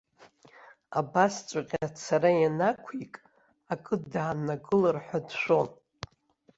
Абасҵәҟьа ацара ианақәик, акы дааннакылар ҳәа дшәон.